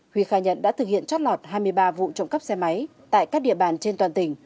huy khai nhận đã thực hiện trót lọt hai mươi ba vụ trộm cắp xe máy tại các địa bàn trên toàn tỉnh